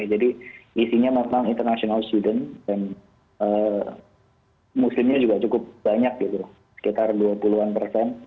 jadi isinya memang international student dan muslimnya juga cukup banyak gitu sekitar dua puluh an persen